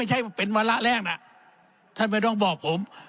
ไม่ใช่เป็นวาระแรกนะท่านไม่ต้องบอกผม